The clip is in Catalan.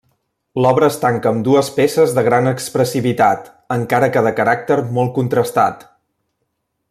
L'obra es tanca amb dues peces de gran expressivitat, encara que de caràcter molt contrastat.